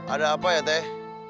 ada apa ya teh